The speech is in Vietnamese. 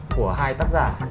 của hai tác giả